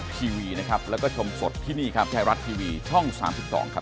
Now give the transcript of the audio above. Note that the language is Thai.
ถูกไหม